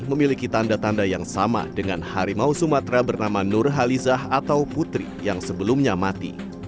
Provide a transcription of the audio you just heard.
memiliki tanda tanda yang sama dengan harimau sumatera bernama nurhalizah atau putri yang sebelumnya mati